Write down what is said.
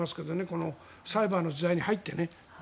このサイバーの時代に入ってね。